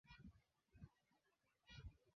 labda kwa pakubwa ni viongozi kutoelewa kwamba